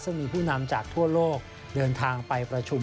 ซึ่งมีผู้นำจากทั่วโลกเดินทางไปประชุม